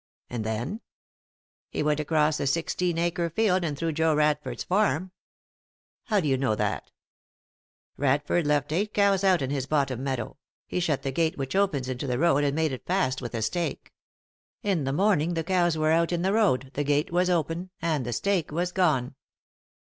" And then ?"" He went across the sixteen acre field and through Joe Radford's farm. " How do you know that f " "Radford left eight cows out in his bottom meadow. He shut the gate which opens into the road and made it fast with a stake. In the morning the cows were out in the road, the gate was open, and the stake was gone.